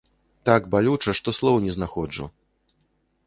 Так балюча, што слоў не знаходжу!